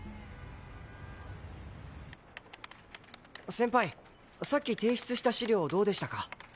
先輩さっき提出した資料どうでしたか？